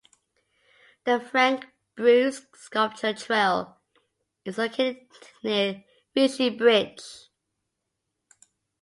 The Frank Bruce Sculpture Trail is located near Feshiebridge.